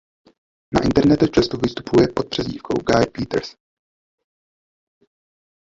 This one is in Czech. Na internetu často vystupuje pod přezdívkou Guy Peters.